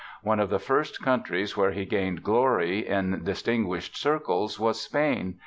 One of the first countries where he gained glory in distinguished circles was Spain.